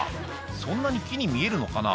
そんなに木に見えるのかな？